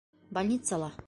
Больницала.